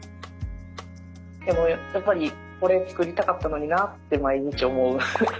でもやっぱり「これつくりたかったのにな」って毎日思う。